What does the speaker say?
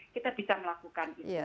kita bisa melakukan itu